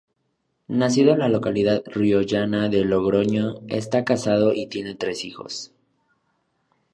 Nacido en la localidad riojana de Logroño, está casado y tiene tres hijos.